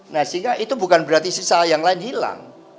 nah sehingga itu bukan berarti sisa yang lain hilang